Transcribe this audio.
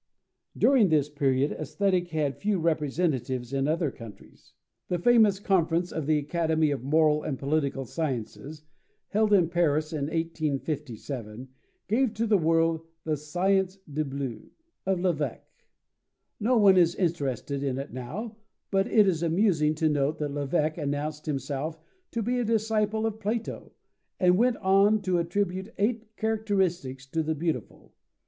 During this period, Aesthetic had few representatives in other countries. The famous conference of the Academy of Moral and Political Sciences, held in Paris in 1857, gave to the world the "Science du Beau" of Lévèque. No one is interested in it now, but it is amusing to note that Lévèque announced himself to be a disciple of Plato, and went on to attribute eight characteristics to the beautiful.